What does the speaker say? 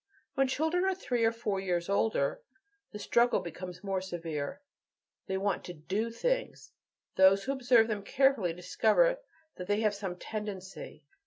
When children are three or four years older, the struggle becomes more severe: they want to do things. Those who observe them carefully discover that they have some "tendency."